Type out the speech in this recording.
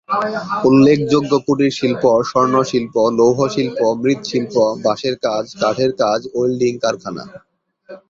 উল্লেখযোগ্য কুটিরশিল্প স্বর্ণশিল্প, লৌহশিল্প, মৃৎশিল্প, বাঁশের কাজ, কাঠের কাজ, ওয়েল্ডিং কারখানা।